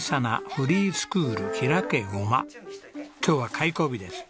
今日は開校日です。